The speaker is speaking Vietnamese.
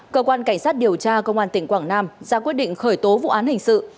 cơ quan cảnh sát điều tra công an tỉnh quảng nam ra quyết định khởi tố vụ án hình sự